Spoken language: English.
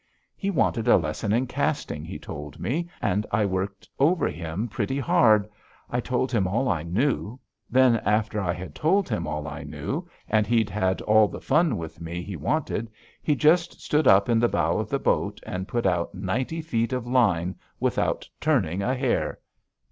"He wanted a lesson in casting," he said. "And I worked over him pretty hard. I told him all I knew. Then, after I'd told him all I knew, and he'd had all the fun with me he wanted, he just stood up in the bow of the boat and put out ninety feet of line without turning a hair.